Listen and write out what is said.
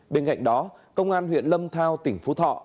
bên cạnh đó công an huyện lâm thao tỉnh phú thọ